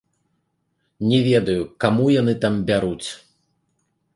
Не ведаю, каму яны там бяруць.